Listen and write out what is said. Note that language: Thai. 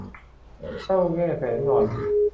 เจ้าแง่แสนงอน